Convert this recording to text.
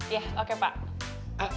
iya oke pak